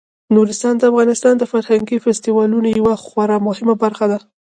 نورستان د افغانستان د فرهنګي فستیوالونو یوه خورا مهمه برخه ده.